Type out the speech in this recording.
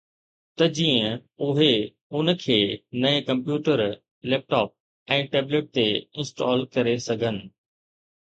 ته جيئن اهي ان کي نئين ڪمپيوٽر، ليپ ٽاپ ۽ ٽيبليٽ تي انسٽال ڪري سگهن